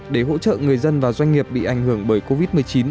để hỗ trợ người dân và doanh nghiệp bị ảnh hưởng bởi covid một mươi chín